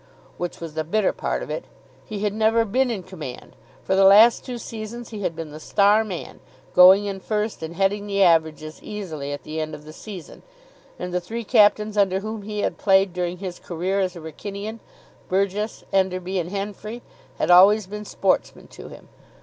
Which was the bitter part of it. He had never been in command. For the last two seasons he had been the star man, going in first, and heading the averages easily at the end of the season; and the three captains under whom he had played during his career as a Wrykynian, Burgess, Enderby, and Henfrey had always been sportsmen to him.